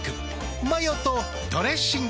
マヨとドレッシングで。